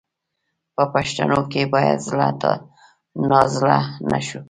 په پوښتنو کې باید زړه نازړه نه شو.